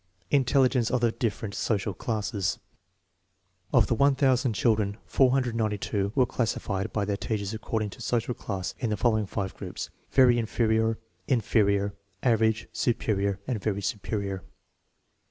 Intelligence of the different social classes* Of the 1000 children, 492 were classified by their teachers according to social class into the following five groups: very inferior, in ferior, average, superior, and very superior.